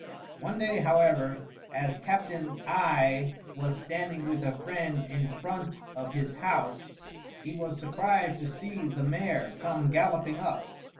One day, however, as Captain I was standing with a friend in front of his house, he was surprised to see the mare come galloping up.